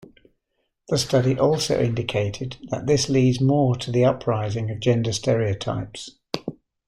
The study also indicated that this leads more to the uprising of gender stereotypes.